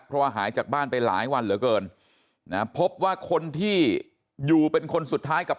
เพราะว่าหายจากบ้านไปหลายวันเหลือเกินนะพบว่าคนที่อยู่เป็นคนสุดท้ายกับ